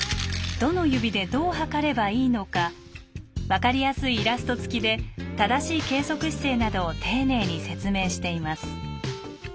どの指でどう測ればいいのか分かりやすいイラスト付きで正しい計測姿勢などを丁寧に説明しています。